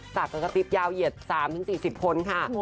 สัตว์กะติ๊บยาวเหยียด๓๔๐คนค่ะ